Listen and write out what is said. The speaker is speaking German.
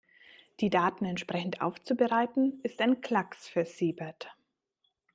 Die Daten entsprechend aufzubereiten, ist ein Klacks für Siebert.